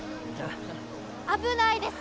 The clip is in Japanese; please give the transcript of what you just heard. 危ないです！